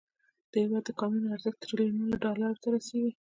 د هیواد د کانونو ارزښت تریلیونونو ډالرو ته رسیږي.